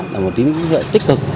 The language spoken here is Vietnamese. là một tín hiệu tích cực